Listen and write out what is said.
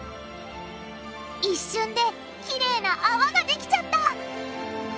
一瞬できれいなあわができちゃった！